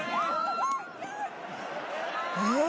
えっ。